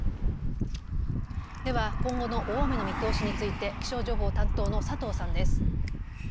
では今後の大雨の見通しについて気象情報担当の佐藤さんです。